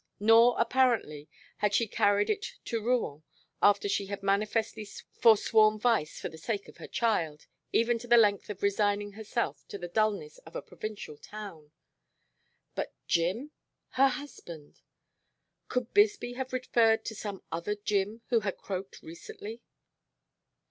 Nor, apparently, had she carried it to Rouen after she had manifestly foresworn vice for the sake of her child, even to the length of resigning herself to the dullness of a provincial town. But "Jim"? Her husband? Could Bisbee have referred to some other Jim who had "croaked" recently?